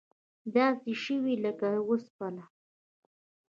داسې شوي وې لکه وسپنه.